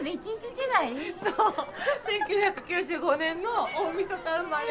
１９９５年の大晦日生まれ。